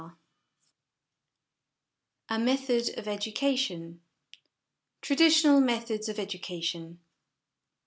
A METHOD OF EDUCATION Traditional Methods of Education.